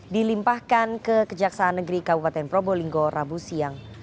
dilimpahkan ke kejaksaan negeri kabupaten probolinggo rabu siang